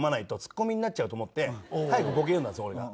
早くボケ読んだんです俺が。